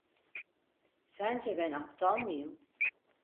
Sence ben aptal mıyım?